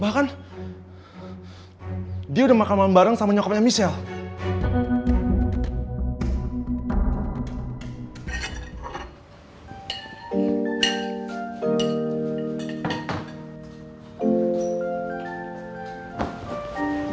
bahkan dia udah makan malem bareng sama nyokapnya michelle